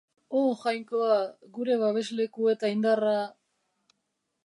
O Jainkoa, gure babesleku eta indarra...